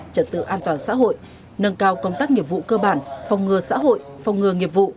trật tự an toàn xã hội nâng cao công tác nghiệp vụ cơ bản phòng ngừa xã hội phòng ngừa nghiệp vụ